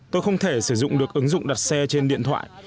tôi không thể sử dụng được ứng dụng đặt xe trên điện thoại